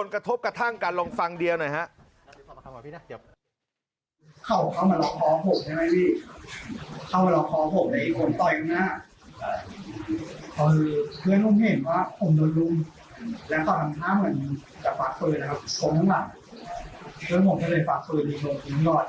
ผมข้างหลังเพื่อนผมก็เลยฝากตัวเลยทิ้งก่อน